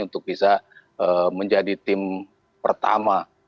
untuk bisa menjadi tim pertama